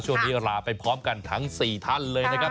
ช่วงนี้ลาไปพร้อมกันทั้ง๔ท่านเลยนะครับ